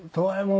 はい。